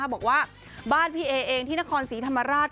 บอกว่าบ้านพี่เอเองที่นครศรีธรรมราช